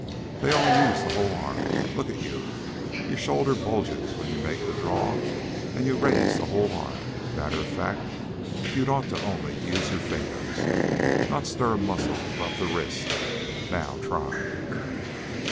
They all use the whole arm. Look at you! Your shoulder bulges up when you make the draw, and you raise the whole arm. Matter of fact, you'd ought only to use your fingers. Not stir a muscle above the wrist. Now try!"